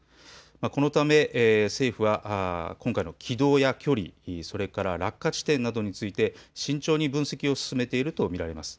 このため政府は今回の軌道や距離、落下地点などについて慎重に分析を進めていると見られます。